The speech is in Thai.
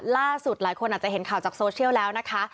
หลายคนอาจจะเห็นข่าวจากโซเชียลแล้วนะคะ